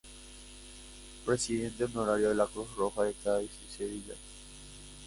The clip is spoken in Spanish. Presidente honorario de la Cruz Roja de Cádiz y Sevilla.